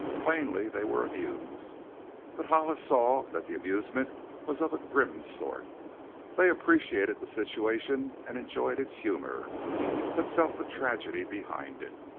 Plainly they were amused, but Hollis saw that the amusement was of a grim sort. They appreciated the situation and enjoyed its humor but felt the tragedy behind it.